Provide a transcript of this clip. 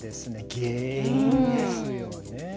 「原因」ですよね。